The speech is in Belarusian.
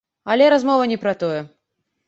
Але размова не пра тое.